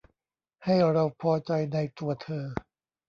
ให้เราพอใจในตัวเธอ